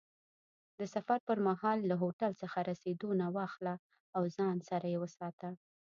د سفر پر مهال له هوټل څخه رسیدونه واخله او ځان سره یې وساته.